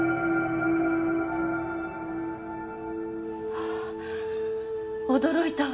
はあ驚いたわ。